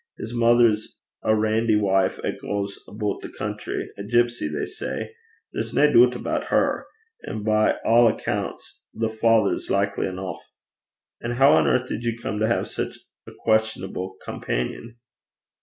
His mither's a randy wife 'at gangs aboot the country a gipsy they say. There's nae doobt aboot her. An' by a' accoonts the father's likly eneuch.' 'And how on earth did you come to have such a questionable companion?'